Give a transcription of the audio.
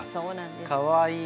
かわいい。